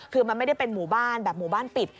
คือมันไม่ได้เป็นหมู่บ้านแบบหมู่บ้านปิด